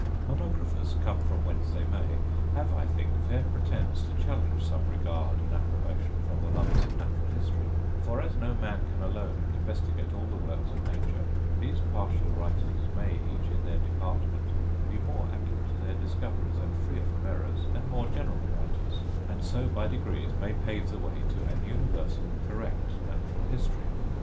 Monographers, come from whence they may, have, I think, fair presence to challenge some regard and approbation from the lovers of natural history; for, as no man can alone investigate all the works of nature, these partial writers may, each in their department, be more accurate in their discoveries, and freer from errors, than more general writers; and so by degrees may pave the way to an universal correct natural history.